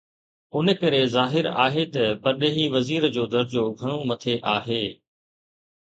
ان ڪري ظاهر آهي ته پرڏيهي وزير جو درجو گهڻو مٿي آهي.